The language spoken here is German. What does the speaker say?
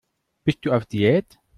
Bist du auf Diät?